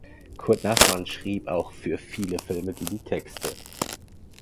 Kurt Nachmann schrieb auch für viele Filme die Liedtexte.